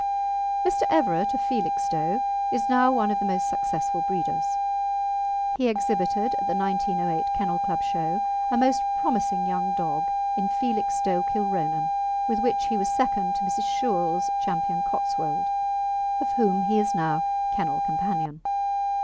Mr. Everett, of Felixstowe, is now one of the most successful breeders. He exhibited at the 1908 Kennel Club show a most promising young dog in Felixstowe Kilronan, with which he was second to Mrs. Shewell's Ch. Cotswold, of whom he is now kennel companion.